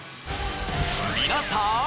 皆さん